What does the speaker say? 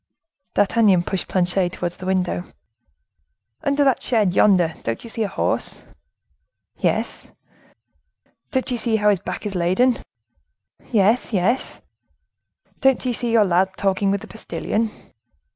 D'Artagnan pushed Planchet towards the window. "Under that shed yonder, don't you see a horse?" "Yes." "Don't you see how his back is laden?" "Yes, yes!" "Don't you see your lad talking with the postilion?"